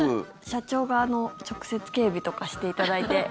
社長が直接、警備とかしていただいて。